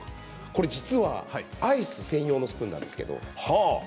これはアイス専用のスプーンなんです。